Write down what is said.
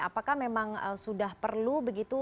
apakah memang sudah perlu begitu